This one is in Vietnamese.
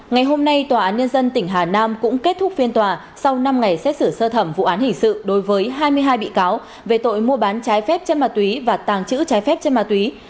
ngày hôm nay tòa án nhân dân tỉnh hà nam cũng kết thúc phiên tòa sau năm ngày xét xử sơ thẩm vụ án hình sự đối với hai mươi hai bị cáo về tội mua bán trái phép chân ma túy và tàng trữ trái phép trên ma túy